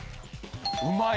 うまい！